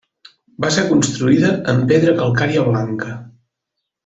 Va ser construïda amb pedra calcària blanca.